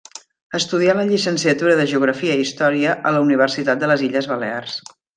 Estudià la llicenciatura de Geografia i Història a la Universitat de les Illes Balears.